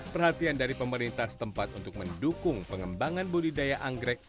perhatian dari pemerintah setempat untuk mendukung pengembangan budidaya anggrek